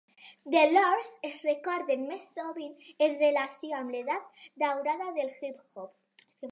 The Lords es recorden més sovint en relació amb l'edat daurada del hip hop.